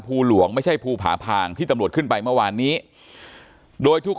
ภูหลวงไม่ใช่ภูผาพางที่ตำรวจขึ้นไปเมื่อวานนี้โดยทุก